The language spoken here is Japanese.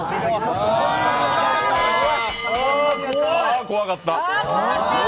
あ怖かった。